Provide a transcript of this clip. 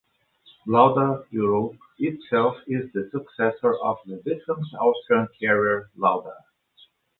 Lauda Europe itself is the successor of the defunct Austrian carrier Lauda.